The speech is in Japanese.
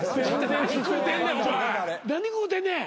何食うてんねん！